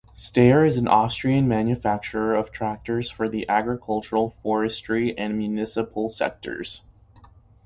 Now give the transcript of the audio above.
Steyr is an Austrian manufacturer of tractors for the agricultural, forestry and municipal sectors.